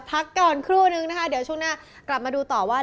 พักก่อนครู่นึงนะคะเดี๋ยวช่วงหน้ากลับมาดูต่อว่า